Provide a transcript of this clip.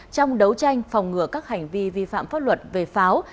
trong đấu tranh phòng ngừa các hành vi vi phạm pháp luật về pháo